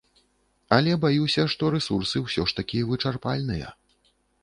Але баюся, што рэсурсы ўсё ж такі вычарпальныя.